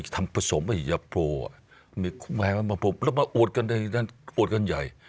ทำผสมสียาโปรใหม่แล้วมาโอดกันใหญ่